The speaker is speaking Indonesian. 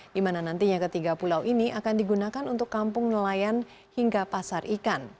di mana nantinya ketiga pulau ini akan digunakan untuk kampung nelayan hingga pasar ikan